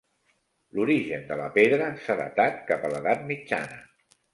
L'origen de la pedra s'ha datat cap a l'Edat mitjana.